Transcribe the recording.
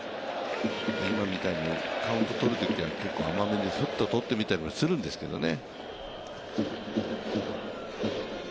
今みたいにカウント取るときは結構甘めにスッととってみたりとかもするんですけどね。